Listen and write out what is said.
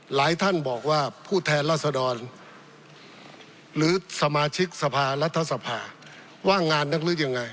หลายท่านบอกว่าผู้แทนรัฐศาสตร์